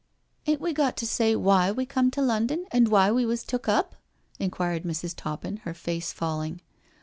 '*" Ain't we got to say why we come to London and why we was took up?" inquired Mrs. Toppin, her face falling.